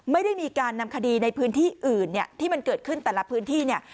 ไม่ได้มีการนำคดีในพื้นที่อื่นเนี่ยที่มันเกิดขึ้นแต่ละพื้นที่เนี่ย